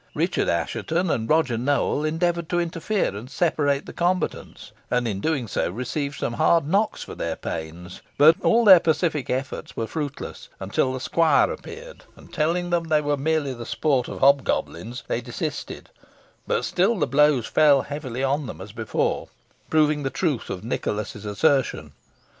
Richard Assheton and Roger Nowell endeavoured to interfere and separate the combatants, and in doing so received some hard knocks for their pains; but all their pacific efforts were fruitless, until the squire appeared, and telling them they were merely the sport of hobgoblins, they desisted, but still the blows fell heavily on them as before, proving the truth of Nicholas's assertion.